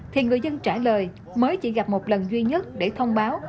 thì người dân trả lời mới chỉ gặp một lần duy nhất để thông báo